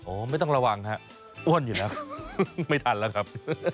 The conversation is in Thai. ไม่ต้องระวังฮะอ้วนอยู่แล้วไม่ทันแล้วครับ